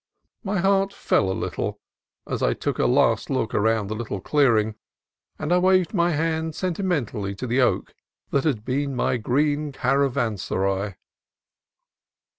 My heart fell a little as I took a last look round the little clearing, and I waved my hand sentimentally to the oak that had been my "green caravanserai."